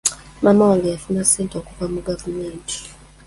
Maama wange yafuna ssente okuva mu gavumenti.